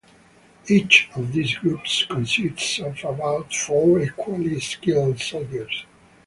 Each of these groups consists of about four equally skilled soldiers.